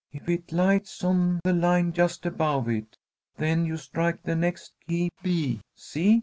If it lights on the line just above it, then you strike the next key, B. See?"